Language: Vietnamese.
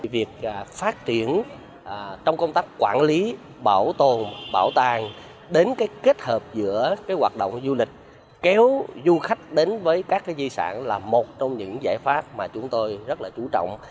việc phát triển trong công tác quản lý bảo tồn bảo tàng đến kết hợp giữa hoạt động du lịch kéo du khách đến với các di sản là một trong những giải pháp mà chúng tôi rất chú trọng